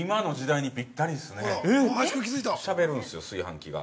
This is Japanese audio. ◆しゃべるんですよ、炊飯器が。